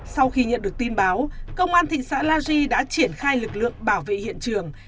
sau khi nhận được tin báo công an thị xã la di đã triển khai lực lượng bảo vệ hiện trường